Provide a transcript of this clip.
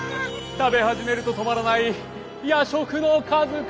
「食べ始めると止まらない夜食の数々」